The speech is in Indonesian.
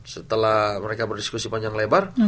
setelah mereka berdiskusi panjang lebar